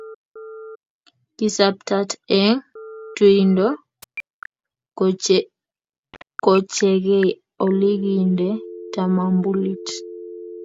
kisaptat eng tuindo kochengei olekiinde tamambulit